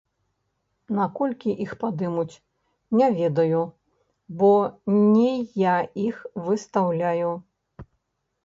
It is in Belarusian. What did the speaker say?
Наколькі іх падымуць, не ведаю, бо не я іх выстаўляю.